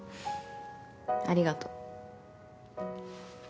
ありがとう。